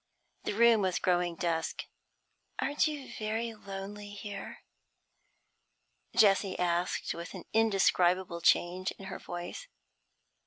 The room was growing dusk. 'Aren't you very lonely here?' Jessie asked, an indescribable change in her voice.